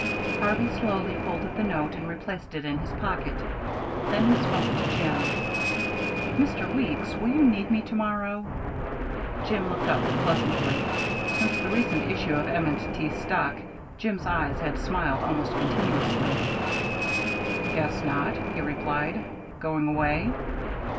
Harvey slowly folded the note and replaced it in his pocket. Then he spoke to Jim. "Mr. Weeks, will you need me to morrow?" Jim looked up pleasantly. Since the recent issue of M. & T. stock, Jim's eyes had smiled almost continuously. "Guess not," he replied. "Going away?"